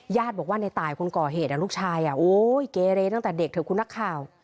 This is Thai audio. บอกว่าในตายคนก่อเหตุลูกชายเกเรตั้งแต่เด็กเถอะคุณนักข่าว